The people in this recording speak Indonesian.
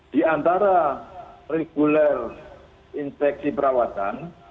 di antara reguler inspeksi perawatan